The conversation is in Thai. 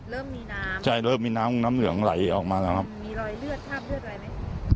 เริ่มมีน้ำใช่เริ่มมีน้ำน้ำเหลืองไหลออกมาแล้วครับมีรอยเลือดคราบเลือดอะไรไหม